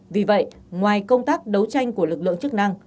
vì vậy ngoài công tác đấu tranh của lực lượng chức năng